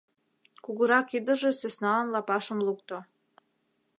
Кугурак ӱдыржӧ сӧсналан лапашым лукто.